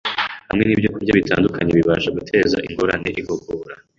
hamwe n’ibyokurya bitandukanye bibasha guteza ingorane igogora